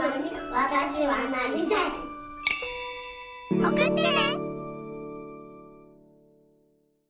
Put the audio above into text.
おくってね！